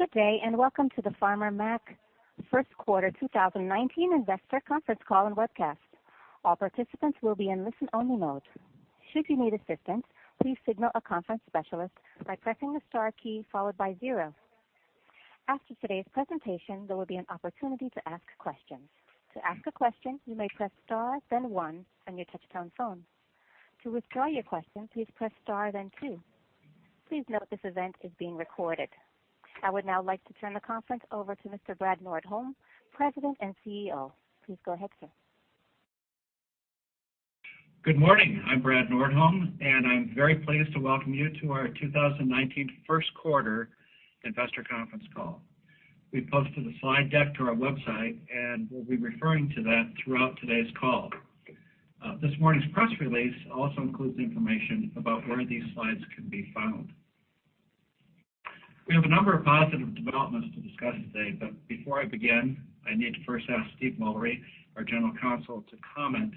Good day. Welcome to the Farmer Mac first quarter 2019 investor conference call and webcast. All participants will be in listen-only mode. Should you need assistance, please signal a conference specialist by pressing the star key followed by zero. After today's presentation, there will be an opportunity to ask questions. To ask a question, you may press star then one on your touchtone phone. To withdraw your question, please press star then two. Please note this event is being recorded. I would now like to turn the conference over to Mr. Brad Nordholm, President and CEO. Please go ahead, sir. Good morning. I'm Brad Nordholm. I'm very pleased to welcome you to our 2019 first quarter investor conference call. We posted the slide deck to our website. We'll be referring to that throughout today's call. This morning's press release also includes information about where these slides can be found. We have a number of positive developments to discuss today. Before I begin, I need to first ask Steve Mullery, our general counsel, to comment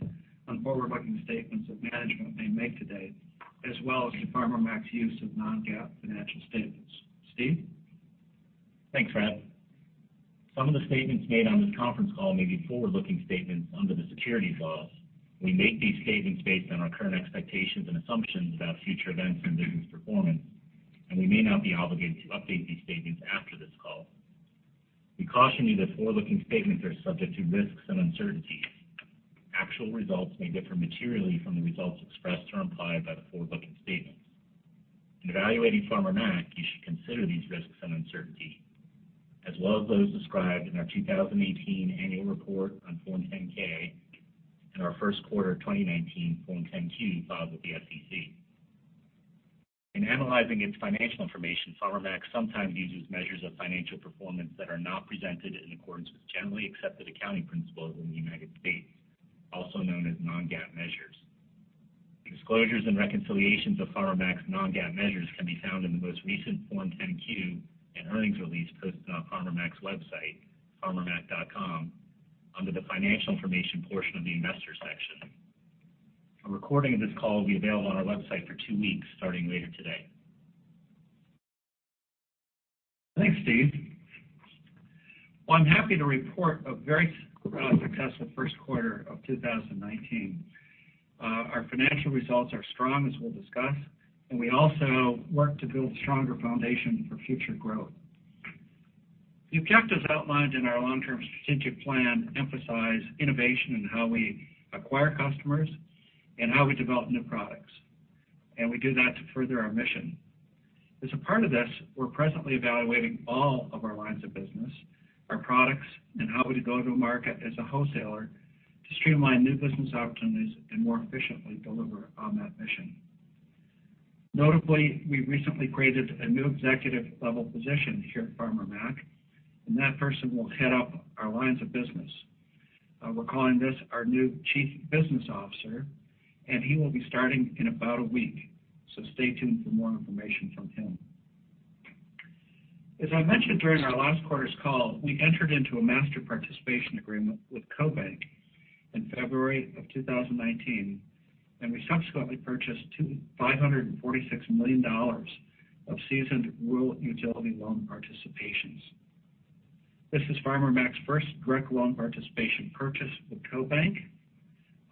on forward-looking statements that management may make today, as well as to Farmer Mac's use of non-GAAP financial statements. Steve? Thanks, Brad. Some of the statements made on this conference call may be forward-looking statements under the securities laws. We make these statements based on our current expectations and assumptions about future events and business performance. We may not be obligated to update these statements after this call. We caution you that forward-looking statements are subject to risks and uncertainties. Actual results may differ materially from the results expressed or implied by the forward-looking statements. In evaluating Farmer Mac, you should consider these risks and uncertainties, as well as those described in our 2018 annual report on Form 10-K and our first quarter of 2019 Form 10-Q filed with the SEC. In analyzing its financial information, Farmer Mac sometimes uses measures of financial performance that are not presented in accordance with generally accepted accounting principles in the United States, also known as non-GAAP measures. Disclosures and reconciliations of Farmer Mac's non-GAAP measures can be found in the most recent Form 10-Q and earnings release posted on Farmer Mac's website, farmermac.com, under the financial information portion of the investor section. A recording of this call will be available on our website for two weeks starting later today. Thanks, Steve. Well, I'm happy to report a very successful first quarter of 2019. Our financial results are strong, as we'll discuss, and we also worked to build stronger foundation for future growth. The objectives outlined in our long-term strategic plan emphasize innovation in how we acquire customers and how we develop new products, and we do that to further our mission. As a part of this, we're presently evaluating all of our lines of business, our products, and how we go to market as a wholesaler to streamline new business opportunities and more efficiently deliver on that mission. Notably, we recently created a new executive-level position here at Farmer Mac, and that person will head up our lines of business. We're calling this our new chief business officer, and he will be starting in about a week. Stay tuned for more information from him. As I mentioned during our last quarter's call, we entered into a master participation agreement with CoBank in February of 2019, and we subsequently purchased $546 million of seasoned rural utility loan participations. This is Farmer Mac's first direct loan participation purchase with CoBank,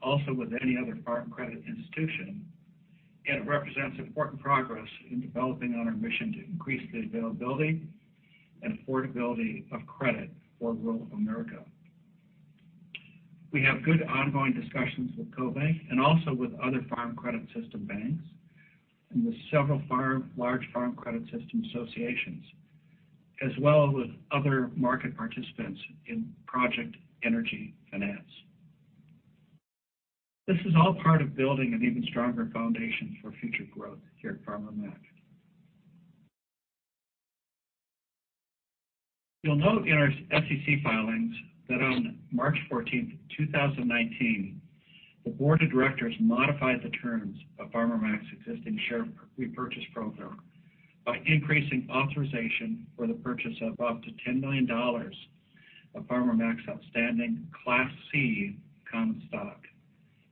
also with any other farm credit institution, and it represents important progress in developing on our mission to increase the availability and affordability of credit for rural America. We have good ongoing discussions with CoBank and also with other Farm Credit System banks and with several large Farm Credit System associations, as well as with other market participants in project energy finance. This is all part of building an even stronger foundation for future growth here at Farmer Mac. You'll note in our SEC filings that on March 14th, 2019, the board of directors modified the terms of Farmer Mac's existing share repurchase program by increasing authorization for the purchase of up to $10 million of Farmer Mac's outstanding Class C common stock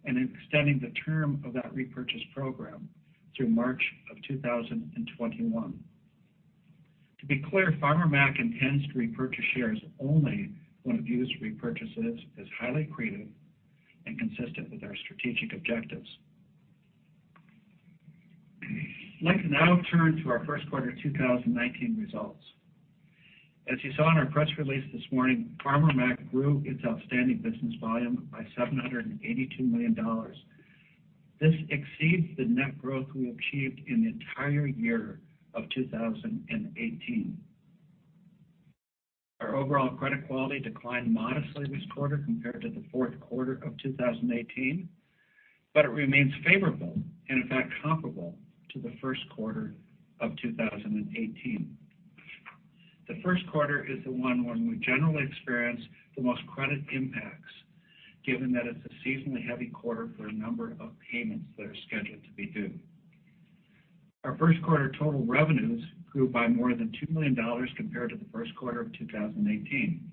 and extending the term of that repurchase program through March of 2021. To be clear, Farmer Mac intends to repurchase shares only when it views repurchases as highly accretive and consistent with our strategic objectives. I'd like to now turn to our first quarter 2019 results. As you saw in our press release this morning, Farmer Mac grew its outstanding business volume by $782 million. This exceeds the net growth we achieved in the entire year of 2018. Our overall credit quality declined modestly this quarter compared to the fourth quarter of 2018, but it remains favorable, and in fact, comparable to the first quarter of 2018. The first quarter is the one when we generally experience the most credit impacts, given that it's a seasonally heavy quarter for a number of payments that are scheduled to be due. Our first quarter total revenues grew by more than $2 million compared to the first quarter of 2018.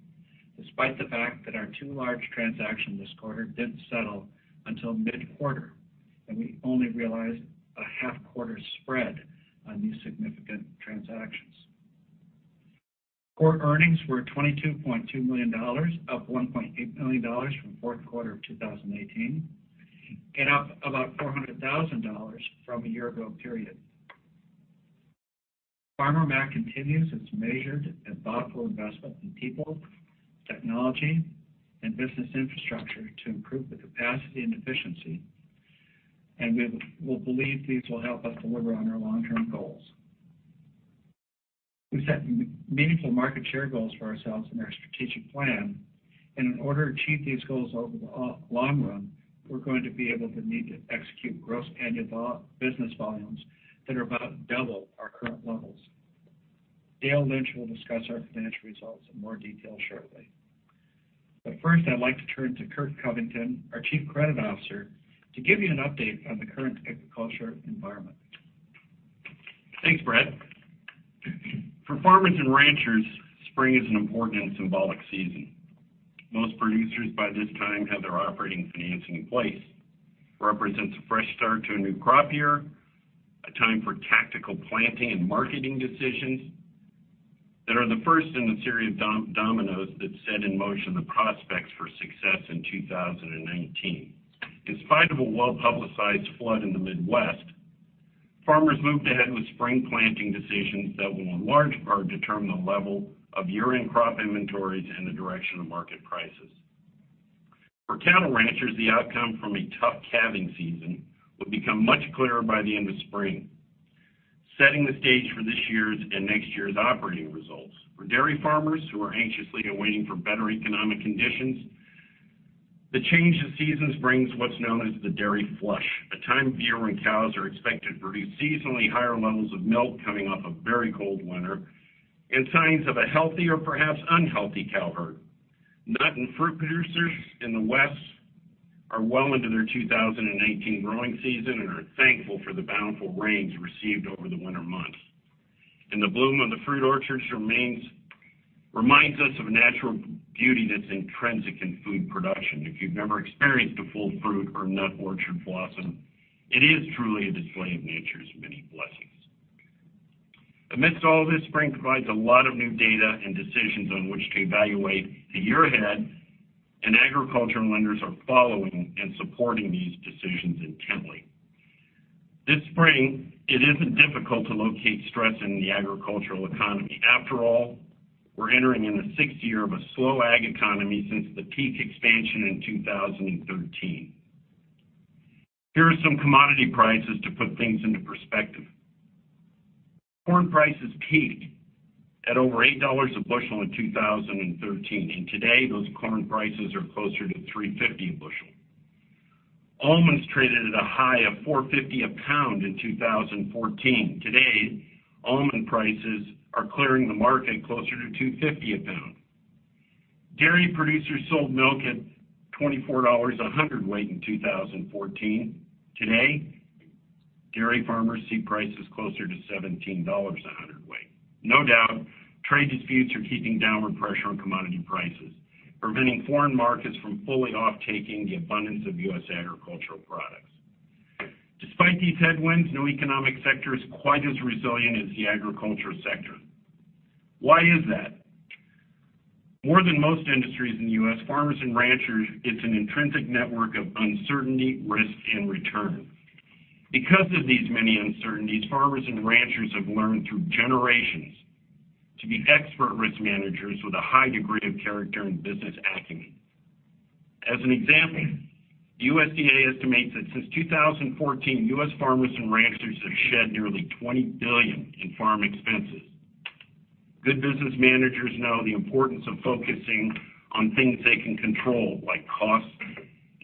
Despite the fact that our two large transactions this quarter didn't settle until mid-quarter, and we only realized a half-quarter spread on these significant transactions. Core earnings were $22.2 million, up $1.8 million from fourth quarter of 2018, and up about $400,000 from a year ago period. Farmer Mac continues its measured and thoughtful investment in people, technology, and business infrastructure to improve the capacity and efficiency. We believe these will help us deliver on our long-term goals. We've set meaningful market share goals for ourselves in our strategic plan. In order to achieve these goals over the long run, we're going to be able to need to execute gross payable business volumes that are about double our current levels. Dale Lynch will discuss our financial results in more detail shortly. First, I'd like to turn to Curt Covington, our Chief Credit Officer, to give you an update on the current agriculture environment. Thanks, Brad. For farmers and ranchers, spring is an important and symbolic season. Most producers by this time have their operating financing in place. It represents a fresh start to a new crop year, a time for tactical planting and marketing decisions that are the first in a series of dominoes that set in motion the prospects for success in 2019. In spite of a well-publicized flood in the Midwest, farmers moved ahead with spring planting decisions that will in large part determine the level of year-end crop inventories and the direction of market prices. For cattle ranchers, the outcome from a tough calving season will become much clearer by the end of spring, setting the stage for this year's and next year's operating results. For dairy farmers who are anxiously awaiting for better economic conditions, the change of seasons brings what's known as the dairy flush, a time of year when cows are expected to produce seasonally higher levels of milk coming off a very cold winter and signs of a healthy or perhaps unhealthy cow herd. Nut and fruit producers in the West are well into their 2019 growing season and are thankful for the bountiful rains received over the winter months. The bloom of the fruit orchards reminds us of a natural beauty that's intrinsic in food production. If you've never experienced a full fruit or nut orchard blossom, it is truly a display of nature's many blessings. Amidst all of this, spring provides a lot of new data and decisions on which to evaluate the year ahead. Agricultural lenders are following and supporting these decisions intently. This spring, it isn't difficult to locate stress in the agricultural economy. After all, we're entering in the sixth year of a slow ag economy since the peak expansion in 2013. Here are some commodity prices to put things into perspective. Corn prices peaked at over $8 a bushel in 2013. Today those corn prices are closer to $3.50 a bushel. Almonds traded at a high of $4.50 a pound in 2014. Today, almond prices are clearing the market closer to $2.50 a pound. Dairy producers sold milk at $24 a hundredweight in 2014. Today, dairy farmers see prices closer to $17 a hundredweight. No doubt, trade disputes are keeping downward pressure on commodity prices, preventing foreign markets from fully off-taking the abundance of U.S. agricultural products. Despite these headwinds, no economic sector is quite as resilient as the agriculture sector. Why is that? More than most industries in the U.S., farmers and ranchers, it's an intrinsic network of uncertainty, risk, and return. Because of these many uncertainties, farmers and ranchers have learned through generations to be expert risk managers with a high degree of character and business acumen. As an example, USDA estimates that since 2014, U.S. farmers and ranchers have shed nearly $20 billion in farm expenses. Good business managers know the importance of focusing on things they can control, like costs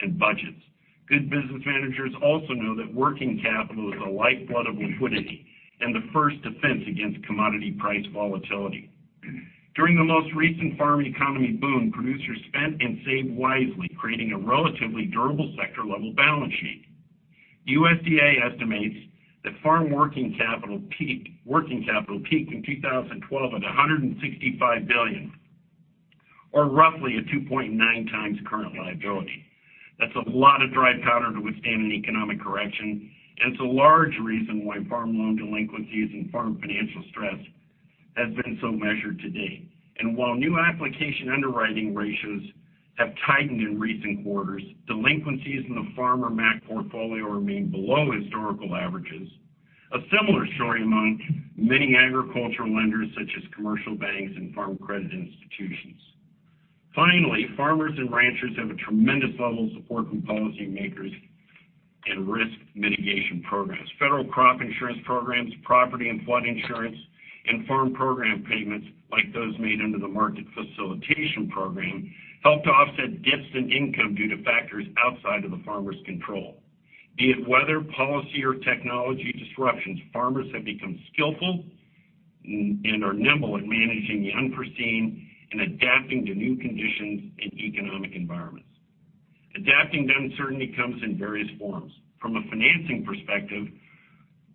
and budgets. Good business managers also know that working capital is the lifeblood of liquidity and the first defense against commodity price volatility. During the most recent farm economy boom, producers spent and saved wisely, creating a relatively durable sector-level balance sheet. USDA estimates that farm working capital peaked in 2012 at $165 billion, or roughly a 2.9 times current liability. That's a lot of dry powder to withstand an economic correction. It's a large reason why farm loan delinquencies and farm financial stress has been so measured to date. While new application underwriting ratios have tightened in recent quarters, delinquencies in the Farmer Mac portfolio remain below historical averages. A similar story among many agricultural lenders, such as commercial banks and farm credit institutions. Finally, farmers and ranchers have a tremendous level of support from policymakers and risk mitigation programs. Federal crop insurance programs, property and flood insurance, and farm program payments, like those made under the Market Facilitation Program, help to offset dips in income due to factors outside of the farmer's control. Be it weather, policy, or technology disruptions, farmers have become skillful and are nimble at managing the unforeseen and adapting to new conditions and economic environments. Adapting to uncertainty comes in various forms. From a financing perspective,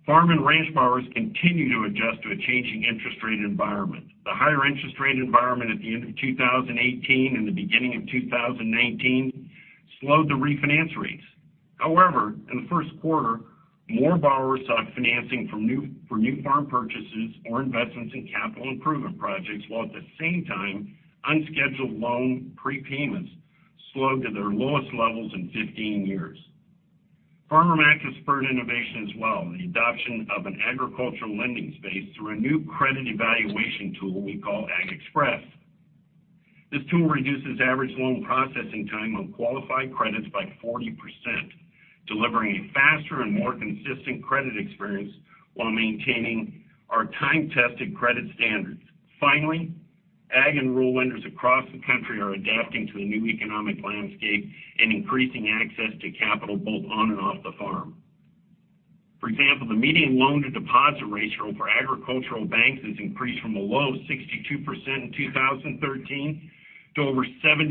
farm and ranch borrowers continue to adjust to a changing interest rate environment. The higher interest rate environment at the end of 2018 and the beginning of 2019 slowed the refinance rates. However, in the first quarter, more borrowers sought financing for new farm purchases or investments in capital improvement projects, while at the same time, unscheduled loan prepayments slowed to their lowest levels in 15 years. Farmer Mac has spurred innovation as well, the adoption of an agricultural lending space through a new credit evaluation tool we call AgXpress. This tool reduces average loan processing time on qualified credits by 40%, delivering a faster and more consistent credit experience while maintaining our time-tested credit standards. Finally, ag and rural lenders across the country are adapting to a new economic landscape and increasing access to capital both on and off the farm. For example, the median loan-to-deposit ratio for agricultural banks has increased from a low 62% in 2013 to over 78%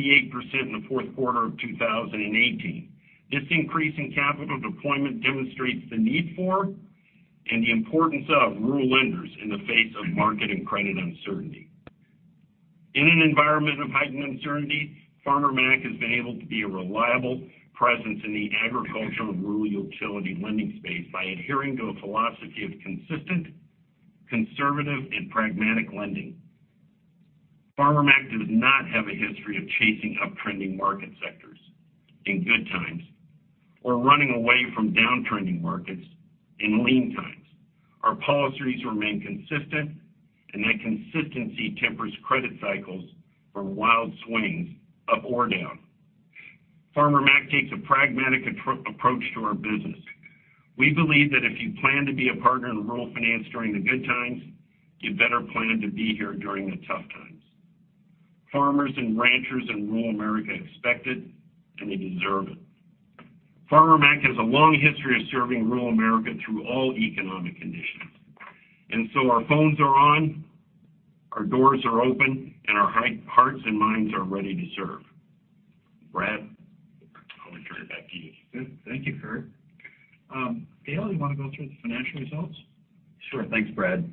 in the fourth quarter of 2018. This increase in capital deployment demonstrates the need for and the importance of rural lenders in the face of market and credit uncertainty. In an environment of heightened uncertainty, Farmer Mac has been able to be a reliable presence in the agricultural and rural utility lending space by adhering to a philosophy of consistent, conservative, and pragmatic lending. Farmer Mac does not have a history of chasing up-trending market sectors in good times or running away from down-trending markets in lean times. That consistency tempers credit cycles from wild swings up or down. Farmer Mac takes a pragmatic approach to our business. We believe that if you plan to be a partner in rural finance during the good times, you better plan to be here during the tough times. Farmers and ranchers in rural America expect it, and they deserve it. Farmer Mac has a long history of serving rural America through all economic conditions. Our phones are on, our doors are open, and our hearts and minds are ready to serve. Brad, I'll return it back to you. Good. Thank you, Curt. Dale, you want to go through the financial results? Sure. Thanks, Brad.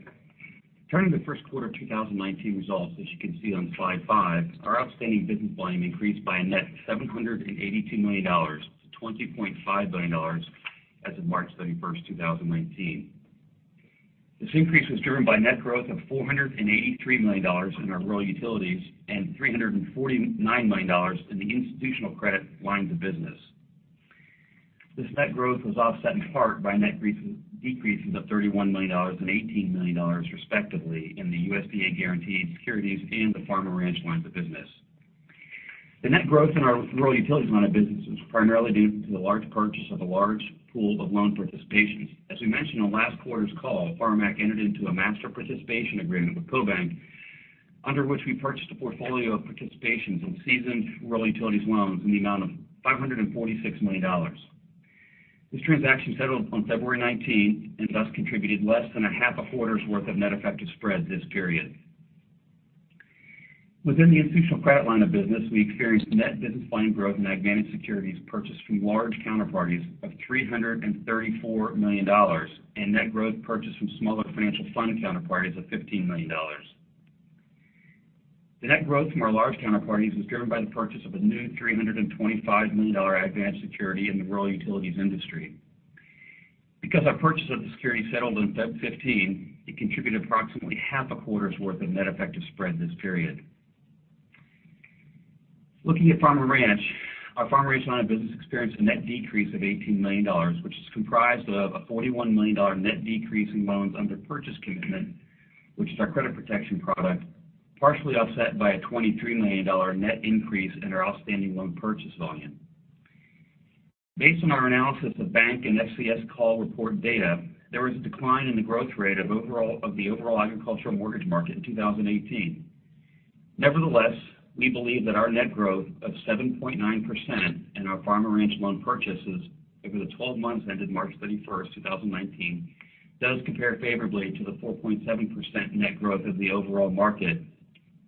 Turning to the first quarter of 2019 results, as you can see on slide five, our outstanding business volume increased by a net $782 million to $20.5 billion as of March 31st, 2019. This increase was driven by net growth of $483 million in our rural utilities and $349 million in the institutional credit lines of business. This net growth was offset in part by net decreases of $31 million and $18 million respectively in the USDA guaranteed securities and the farm and ranch lines of business. The net growth in our rural utilities line of business was primarily due to the large purchase of a large pool of loan participations. As we mentioned on last quarter's call, Farmer Mac entered into a master participation agreement with CoBank, under which we purchased a portfolio of participations in seasoned rural utilities loans in the amount of $546 million. This transaction settled on February 19 and thus contributed less than a half a quarter's worth of net effective spread this period. Within the institutional credit line of business, we experienced net business volume growth in AgVantage securities purchased from large counterparties of $334 million and net growth purchased from smaller financial fund counterparties of $15 million. The net growth from our large counterparties was driven by the purchase of a new $325 million AgVantage security in the rural utilities industry. Because our purchase of the security settled on February 15, it contributed approximately half a quarter's worth of net effective spread this period. Looking at farm and ranch, our farm and ranch line of business experienced a net decrease of $18 million, which is comprised of a $41 million net decrease in loans under purchase commitment, which is our credit protection product, partially offset by a $23 million net increase in our outstanding loan purchase volume. Based on our analysis of bank and FCS call report data, there was a decline in the growth rate of the overall agricultural mortgage market in 2018. Nevertheless, we believe that our net growth of 7.9% in our farm and ranch loan purchases over the 12 months ended March 31st, 2019, does compare favorably to the 4.7% net growth of the overall market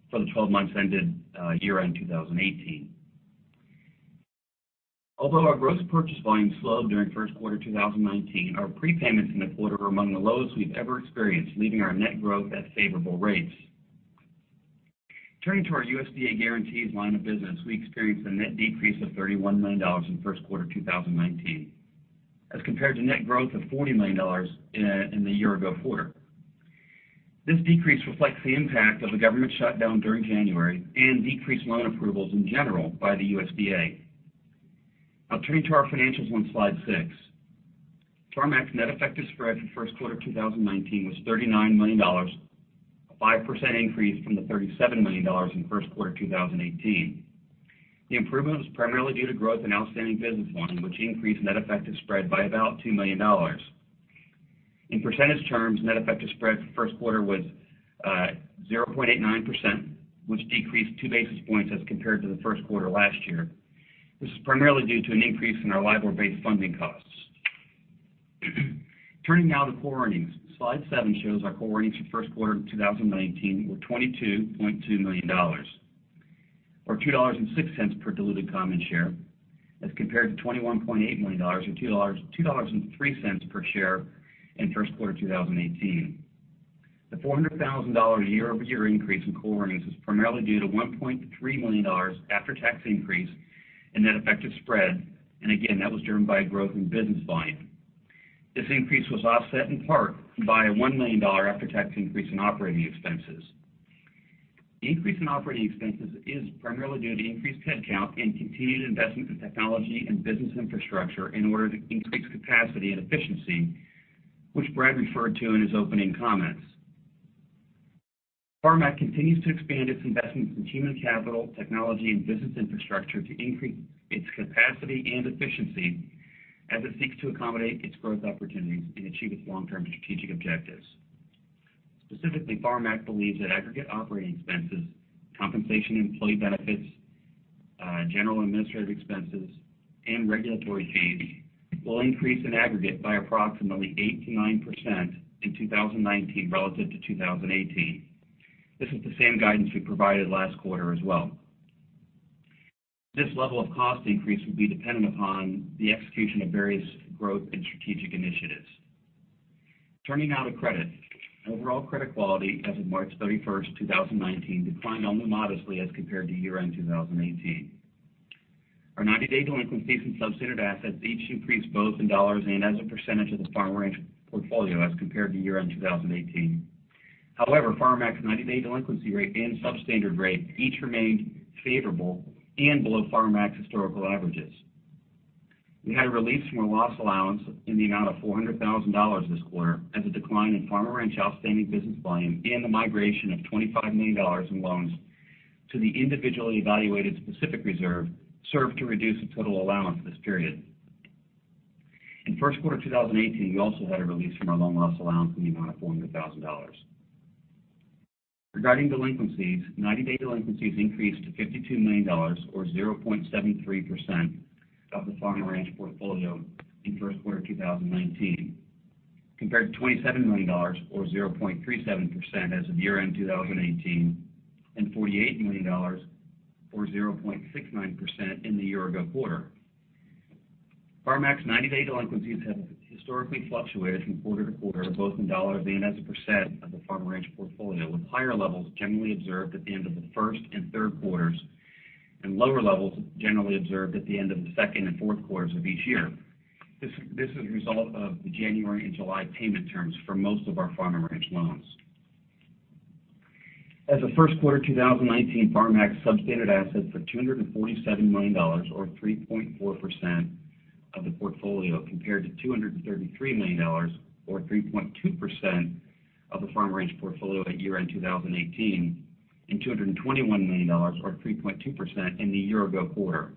for the 12 months ended year-end 2018. Our gross purchase volume slowed during first quarter 2019, our prepayments in the quarter were among the lowest we've ever experienced, leaving our net growth at favorable rates. Turning to our USDA Guarantees line of business, we experienced a net decrease of $31 million in first quarter 2019 as compared to net growth of $40 million in the year ago quarter. This decrease reflects the impact of the government shutdown during January and decreased loan approvals in general by the USDA. Turning to our financials on slide six. Farmer Mac's net effective spread for the first quarter of 2019 was $39 million, a 5% increase from the $37 million in first quarter 2018. The improvement was primarily due to growth in outstanding business volume, which increased net effective spread by about $2 million. In percentage terms, net effective spread for the first quarter was 0.89%, which decreased two basis points as compared to the first quarter last year. This is primarily due to an increase in our LIBOR-based funding costs. Turning to core earnings. Slide seven shows our core earnings for first quarter of 2019 were $22.2 million, or $2.06 per diluted common share, as compared to $21.8 million, or $2.03 per share in first quarter 2018. The $400,000 year-over-year increase in core earnings is primarily due to $1.3 million after tax increase in net effective spread. Again, that was driven by a growth in business volume. This increase was offset in part by a $1 million after-tax increase in operating expenses. The increase in operating expenses is primarily due to increased headcount and continued investment in technology and business infrastructure in order to increase capacity and efficiency, which Brad referred to in his opening comments. Farmer Mac continues to expand its investments in human capital, technology, and business infrastructure to increase its capacity and efficiency as it seeks to accommodate its growth opportunities and achieve its long-term strategic objectives. Specifically, Farmer Mac believes that aggregate operating expenses, compensation employee benefits, general and administrative expenses, and regulatory change will increase in aggregate by approximately 8% to 9% in 2019 relative to 2018. This is the same guidance we provided last quarter as well. This level of cost increase will be dependent upon the execution of various growth and strategic initiatives. Turning to credit. Overall credit quality as of March 31st, 2019 declined only modestly as compared to year-end 2018. Our 90-day delinquencies in substandard assets each increased both in dollars and as a percentage of the Farm Ranch portfolio as compared to year-end 2018. However, Farmer Mac's 90-day delinquency rate and substandard rate each remained favorable and below Farmer Mac's historical averages. We had a release from a loss allowance in the amount of $400,000 this quarter as a decline in Farm Ranch outstanding business volume and a migration of $25 million in loans to the individually evaluated specific reserve served to reduce the total allowance this period. In first quarter 2018, we also had a release from our loan loss allowance in the amount of $400,000. Regarding delinquencies, 90-day delinquencies increased to $52 million, or 0.73% of the Farm and Ranch portfolio in first quarter 2019, compared to $27 million or 0.37% as of year-end 2018, and $48 million or 0.69% in the year ago quarter. Farmer Mac's 90-day delinquencies have historically fluctuated from quarter to quarter, both in dollars and as a % of the Farm Ranch portfolio, with higher levels generally observed at the end of the first and third quarters, and lower levels generally observed at the end of the second and fourth quarters of each year. This is a result of the January and July payment terms for most of our Farm and Ranch loans. As of first quarter 2019, Farmer Mac's substandard assets are $247 million or 3.4% of the portfolio, compared to $233 million or 3.2% of the Farm Ranch portfolio at year-end 2018 and $221 million or 3.2% in the year ago quarter.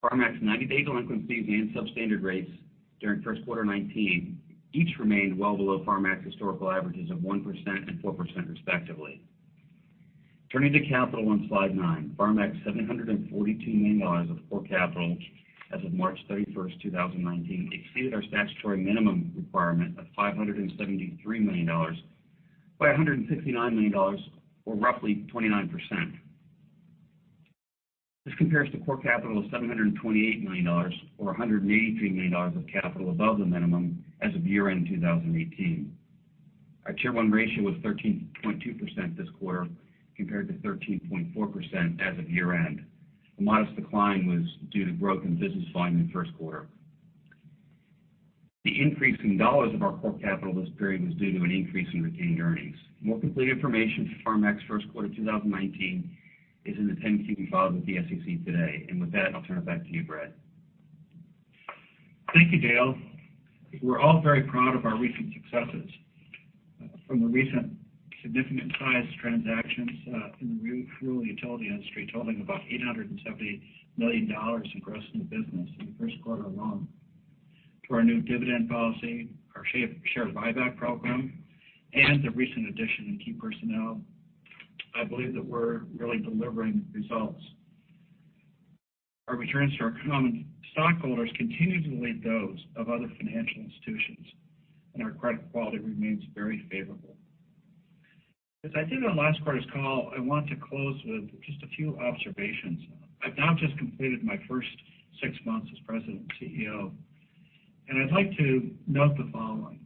Farmer Mac's 90-day delinquencies and substandard rates during first quarter 2019 each remained well below Farmer Mac's historical averages of 1% and 4%, respectively. Turning to capital on slide nine. Farmer Mac's $742 million of core capital as of March 31st, 2019 exceeded our statutory minimum requirement of $573 million by $169 million, or roughly 29%. This compares to core capital of $728 million, or $183 million of capital above the minimum as of year-end 2018. Our Tier 1 ratio was 13.2% this quarter, compared to 13.4% as of year-end. A modest decline was due to growth in business volume in first quarter. The increase in dollars of our core capital this period was due to an increase in retained earnings. More complete information for Farmer Mac's first quarter 2019 is in the 10-Q we filed with the SEC today. With that, I'll turn it back to you, Brad. Thank you, Dale. We're all very proud of our recent successes. From the recent significant size transactions in the renewable utility industry totaling about $870 million in gross new business in the first quarter alone, to our new dividend policy, our share buyback program, and the recent addition in key personnel. I believe that we're really delivering results. Our returns to our common stockholders continue to lead those of other financial institutions, and our credit quality remains very favorable. As I did on last quarter's call, I want to close with just a few observations. I've now just completed my first six months as President and CEO, and I'd like to note the following.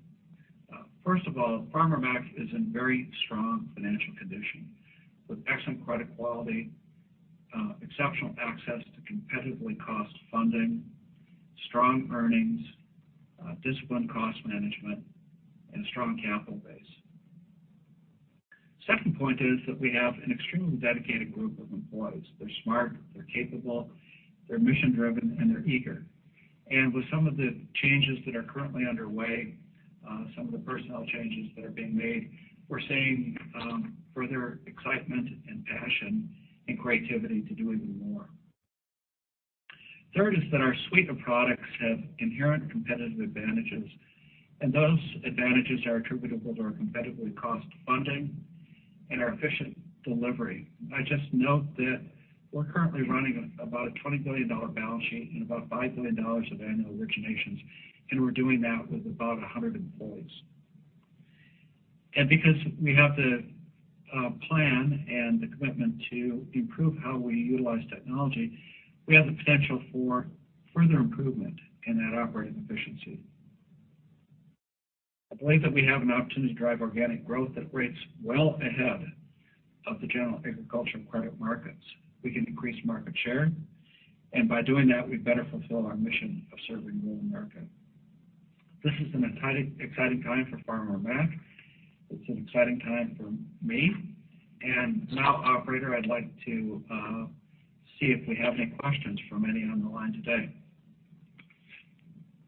First of all, Farmer Mac is in very strong financial condition with excellent credit quality, exceptional access to competitively cost funding, strong earnings, disciplined cost management, and a strong capital base. Second point is that we have an extremely dedicated group of employees. They're smart, they're capable, they're mission-driven, and they're eager. With some of the changes that are currently underway, some of the personnel changes that are being made, we're seeing further excitement and passion and creativity to do even more. Third is that our suite of products have inherent competitive advantages, and those advantages are attributable to our competitively cost funding and our efficient delivery. I just note that we're currently running about a $20 billion balance sheet and about $5 billion of annual originations, and we're doing that with about 100 employees. Because we have the plan and the commitment to improve how we utilize technology, we have the potential for further improvement in that operating efficiency. I believe that we have an opportunity to drive organic growth at rates well ahead of the general agricultural credit markets. We can increase market share, and by doing that, we better fulfill our mission of serving rural America. This is an exciting time for Farmer Mac. It's an exciting time for me. Now, operator, I'd like to see if we have any questions from any on the line today.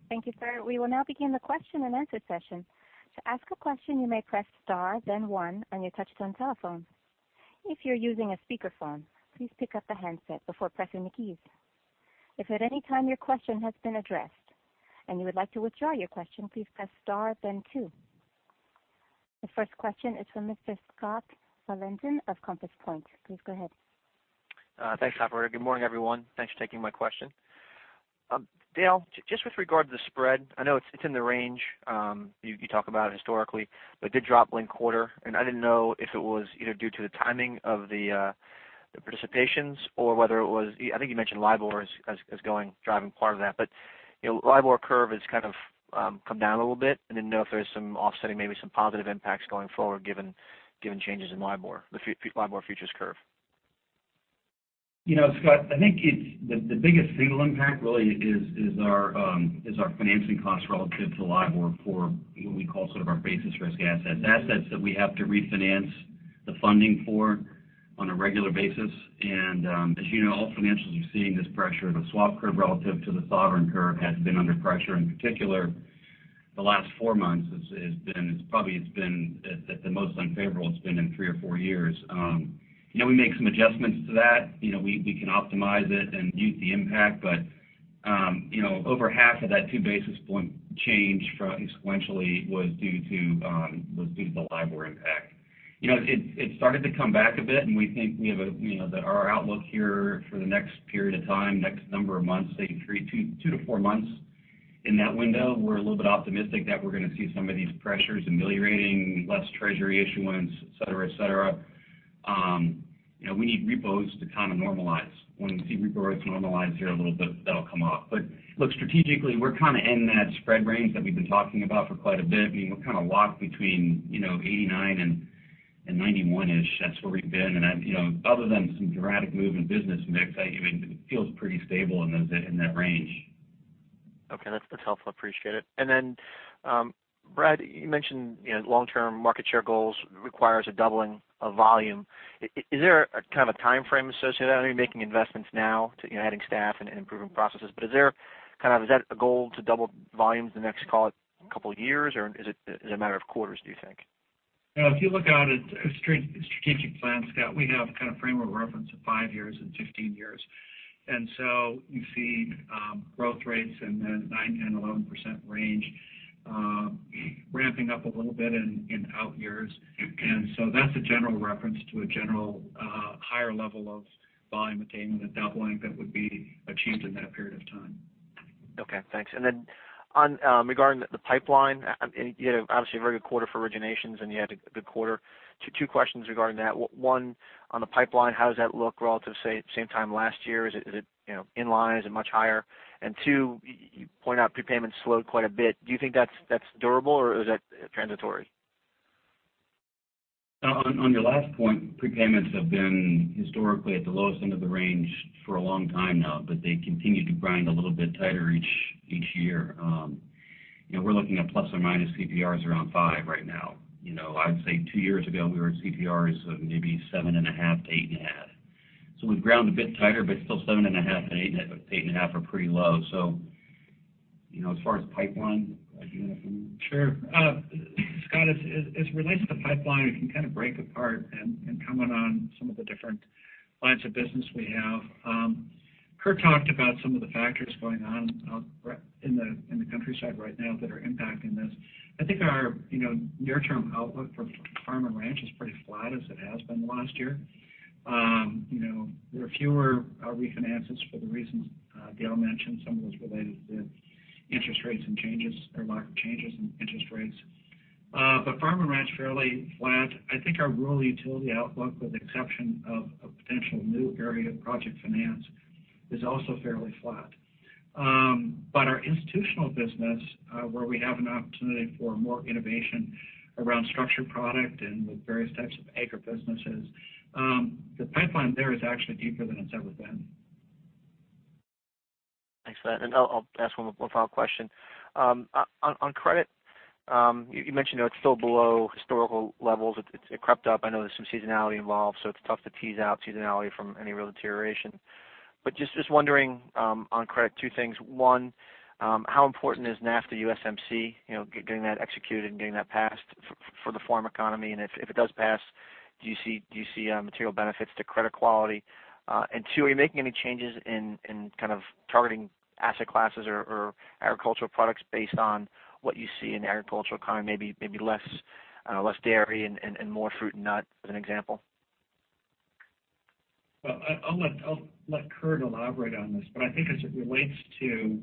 Thank you, sir. We will now begin the question and answer session. To ask a question, you may press star then one on your touchtone telephone. If you're using a speakerphone, please pick up the handset before pressing the keys. If at any time your question has been addressed and you would like to withdraw your question, please press star then two. The first question is from Mr. Scott Valentin of Compass Point. Please go ahead. Thanks, operator. Good morning, everyone. Thanks for taking my question. Dale, just with regard to the spread, I know it's in the range. You talk about historically, but it did drop linked quarter, and I didn't know if it was either due to the timing of the participations or whether it was-- I think you mentioned LIBOR is going, driving part of that, but LIBOR curve has kind of come down a little bit. I didn't know if there's some offsetting, maybe some positive impacts going forward given changes in LIBOR, the LIBOR futures curve. Scott, I think the biggest single impact really is our financing costs relative to LIBOR for what we call sort of our basis risk assets. Assets that we have to refinance the funding for on a regular basis. As you know, all financials are seeing this pressure. The swap curve relative to the sovereign curve has been under pressure, in particular the last four months, probably it's been at the most unfavorable it's been in three or four years. We make some adjustments to that. We can optimize it and mute the impact. Over half of that two basis point change sequentially was due to the LIBOR impact. It started to come back a bit, we think that our outlook here for the next period of time, next number of months, say two to four months, in that window, we're a little bit optimistic that we're going to see some of these pressures ameliorating, less treasury issuance, et cetera. We need repos to kind of normalize. When we see repos normalize here a little bit, that'll come off. Look, strategically, we're kind of in that spread range that we've been talking about for quite a bit. We're kind of locked between 89 and 91-ish. That's where we've been. Other than some dramatic move in business mix, it feels pretty stable in that range. Okay. That's helpful. Appreciate it. Then, Brad, you mentioned long-term market share goals requires a doubling of volume. Is there a kind of timeframe associated? I know you're making investments now to adding staff and improving processes. Is that a goal to double volumes the next, call it, couple of years? Or is it a matter of quarters, do you think? If you look out at strategic plans, Scott, we have kind of framework reference of five years and 15 years. You see growth rates in the nine, 10, 11% range ramping up a little bit in out years. That's a general reference to a general higher level of volume attainment, a doubling that would be achieved in that period of time. Okay, thanks. Regarding the pipeline, obviously a very good quarter for originations, and you had a good quarter. Two questions regarding that. One, on the pipeline, how does that look relative, say, same time last year? Is it in line? Is it much higher? Two, you point out prepayments slowed quite a bit. Do you think that's durable or is that transitory? On your last point, prepayments have been historically at the lowest end of the range for a long time now, but they continue to grind a little bit tighter each year. We're looking at ± CPRs around five right now. I'd say two years ago, we were at CPRs of maybe seven and a half, eight and a half. We've ground a bit tighter, but still seven and a half and eight and a half are pretty low. As far as pipeline, do you want to? Sure. Scott, as relates to the pipeline, we can kind of break apart and comment on some of the different lines of business we have. Curt talked about some of the factors going on in the countryside right now that are impacting this. I think our near-term outlook for farm and ranch is pretty flat as it has been the last year. There are fewer refinances for the reasons Dale mentioned, some of those related to interest rates and changes or lack of changes in interest rates. Farm and ranch, fairly flat. I think our rural utility outlook, with exception of potential new area project finance, is also fairly flat. Our institutional business, where we have an opportunity for more innovation around structured product and with various types of AgVantage businesses, the pipeline there is actually deeper than it's ever been. Thanks for that. I'll ask one more follow-up question. On credit, you mentioned though it's still below historical levels. It crept up. I know there's some seasonality involved, so it's tough to tease out seasonality from any real deterioration. Just wondering on credit, two things. One, how important is NAFTA USMCA, getting that executed and getting that passed for the farm economy? If it does pass, do you see material benefits to credit quality? Two, are you making any changes in kind of targeting asset classes or agricultural products based on what you see in the agricultural economy, maybe less dairy and more fruit and nut, as an example? I'll let Curt elaborate on this, I think as it relates to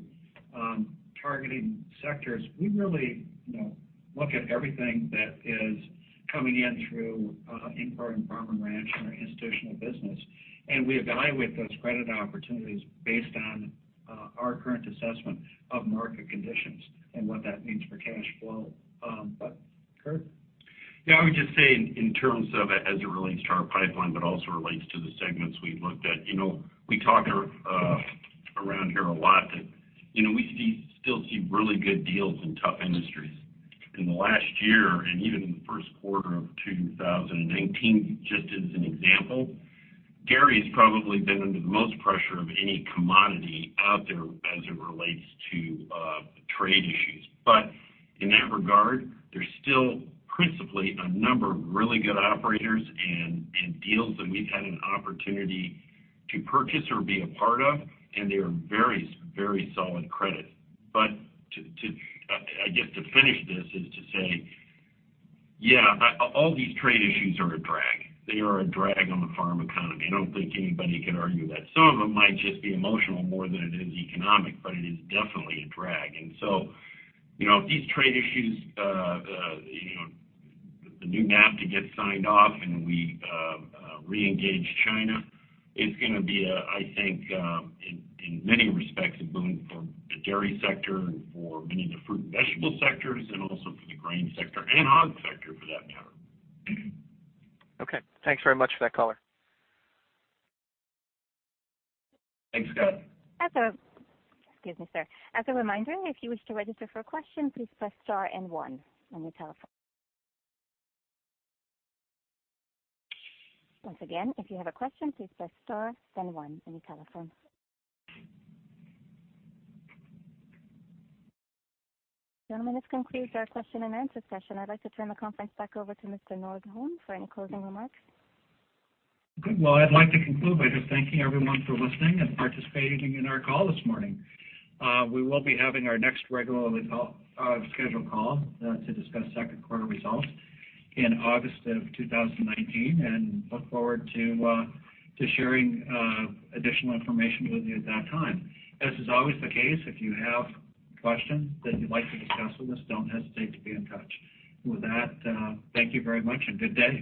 targeting sectors, we really look at everything that is coming in through import and farm and ranch and our institutional business. We evaluate those credit opportunities based on our current assessment of market conditions and what that means for cash flow. Curt? I would just say in terms of it as it relates to our pipeline, also relates to the segments we've looked at. We talk around here a lot that we still see really good deals in tough industries. In the last year, and even in the first quarter of 2019, just as an example, dairy has probably been under the most pressure of any commodity out there as it relates to trade issues. In that regard, there's still principally a number of really good operators and deals that we've had an opportunity to purchase or be a part of, and they are very solid credit. I guess to finish this is to say, yeah, all these trade issues are a drag. They are a drag on the farm economy. I don't think anybody can argue that. Some of them might just be emotional more than it is economic, it is definitely a drag. If these trade issues, the new NAFTA gets signed off and we reengage China, it's going to be, I think, in many respects, a boom for the dairy sector and for many of the fruit and vegetable sectors, and also for the grain sector and hog sector for that matter. Thanks very much for that caller. Thanks, Scott. Excuse me, sir. As a reminder, if you wish to register for a question, please press star and one on your telephone. Once again, if you have a question, please press star, then one on your telephone. Gentlemen, this concludes our question and answer session. I'd like to turn the conference back over to Mr. Nordholm for any closing remarks. Well, I'd like to conclude by just thanking everyone for listening and participating in our call this morning. We will be having our next regularly scheduled call to discuss second quarter results in August of 2019, and look forward to sharing additional information with you at that time. As is always the case, if you have questions that you'd like to discuss with us, don't hesitate to be in touch. With that, thank you very much and good day.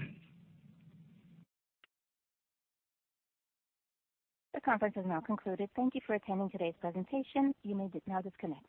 The conference is now concluded. Thank you for attending today's presentation. You may now disconnect.